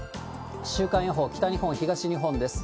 週間予報、北日本、東日本です。